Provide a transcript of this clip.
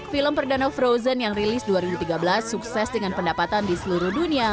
film perdana frozen yang rilis dua ribu tiga belas sukses dengan pendapatan di seluruh dunia